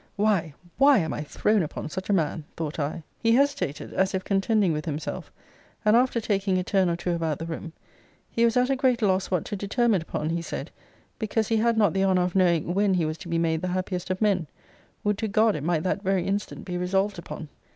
Why, why, am I thrown upon such a man, thought I! He hesitated, as if contending with himself; and after taking a turn or two about the room, He was at a great loss what to determine upon, he said, because he had not the honour of knowing when he was to be made the happiest of men Would to God it might that very instant be resolved upon!